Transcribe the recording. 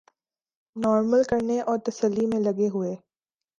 normal کرنے اور تسلی میں لگے ہوئے